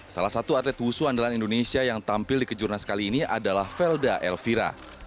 salah satu atlet wusu andalan indonesia yang tampil di kejurnas kali ini adalah velda elvira